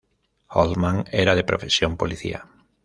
Oldman era de profesión policía.